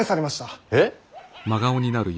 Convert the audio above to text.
えっ！